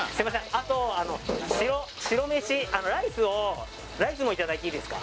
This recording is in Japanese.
あと白飯ライスもいただいていいですか？